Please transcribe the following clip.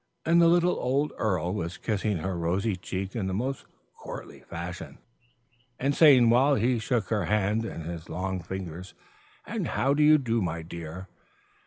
And the little old earl was kissing her rosy cheek in the most courtly fashion, and saying while he shook her hand in his long fingers, "And how do you do, my dear?"